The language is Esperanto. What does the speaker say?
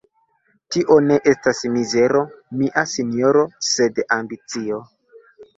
Tio ne estas mizero, mia sinjoro, sed ambicio!